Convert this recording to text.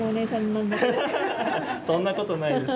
そんなことないです。